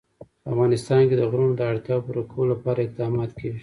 په افغانستان کې د غرونه د اړتیاوو پوره کولو لپاره اقدامات کېږي.